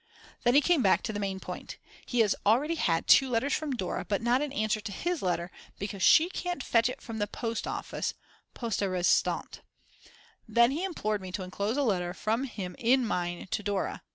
Then he came back to the main point He has already had 2 letters from Dora, but not an answer to his letter, because she can't fetch it from the post office, poste restante. Then he implored me to enclose a letter from him in mine to Dora.